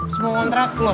semua kontrak loh